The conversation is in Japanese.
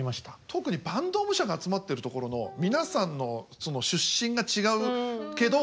特に坂東武者が集まってるところの皆さんの出身が違うけど。